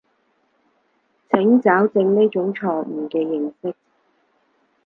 請糾正呢種錯誤嘅認識